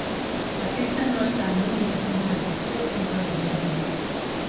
Aquesta no ha estat l’única contradicció entre els agents.